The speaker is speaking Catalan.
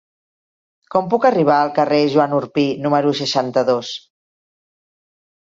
Com puc arribar al carrer de Joan Orpí número seixanta-dos?